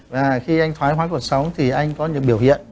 và khi anh thoái hóa cuộc sống thì anh có những biểu hiện